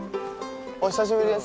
お久しぶりです。